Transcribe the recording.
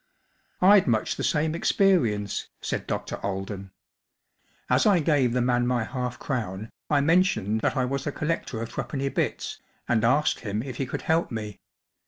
“ I'd much the same experience*'* said Dr. Aiden* "As I gave the man my half crown I mentioned that I was a collector of threepenny bits, and asked him if he could help me.